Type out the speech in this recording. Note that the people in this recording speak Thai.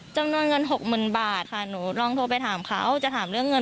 จำนวนเงินหกหมื่นบาทค่ะหนูลองโทรไปถามเขาจะถามเรื่องเงิน